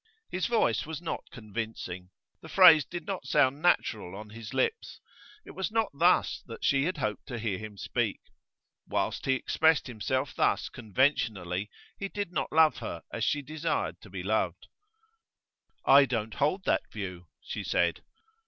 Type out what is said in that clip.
His voice was not convincing; the phrase did not sound natural on his lips. It was not thus that she had hoped to hear him speak. Whilst he expressed himself thus conventionally he did not love her as she desired to be loved. 'I don't hold that view,' she said.